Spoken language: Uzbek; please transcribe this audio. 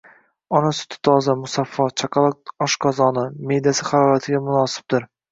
Ona suti toza, musaffo, chaqaloq oshqozoni, me’dasi haroratiga munosibdir.